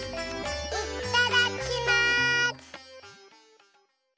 いっただきます！